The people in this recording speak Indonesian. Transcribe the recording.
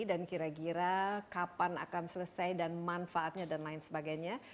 dan kira kira kapan akan selesai dan manfaatnya dan lain sebagainya